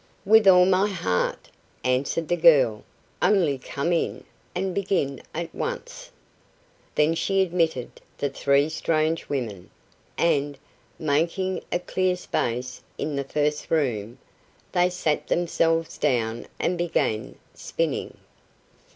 "With all my heart," answered the girl, "only come in, and begin at once." Then she admitted the three strange women, and, making a clear space in the first room, they sat themselves down and began spinning.